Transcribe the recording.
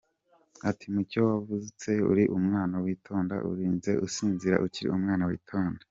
Ati: “Mucyo wavutse uri umwana witonda, urinze usinzira ukiri umwana witonda.